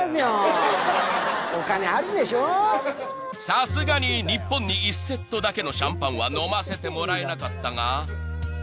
［さすがに日本に１セットだけのシャンパンは飲ませてもらえなかったが］